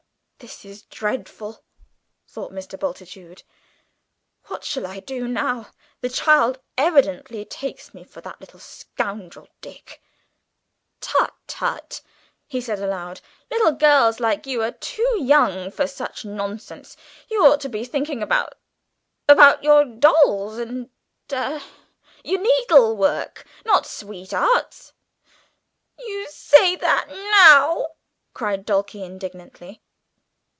"This is dreadful!" thought Mr. Bultitude. "What shall I do now? The child evidently takes me for that little scoundrel Dick." "Tut tut," he said aloud, "little girls like you are too young for such nonsense. You ought to think about about your dolls, and ah, your needlework not sweethearts!" "You say that now!" cried Dulcie indignantly.